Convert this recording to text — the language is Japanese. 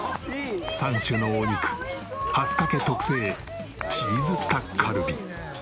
３種のお肉蓮香家特製チーズタッカルビ。